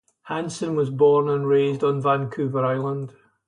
Hansen was born and raised on Vancouver Island.